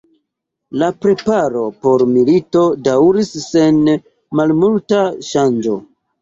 La preparo por milito daŭris sen malmulta ŝanĝo.